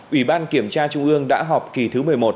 ủy ban kiểm tra trung ương đã họp kỳ thứ một mươi một